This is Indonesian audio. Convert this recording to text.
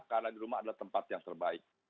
karena di rumah adalah tempat yang terbaik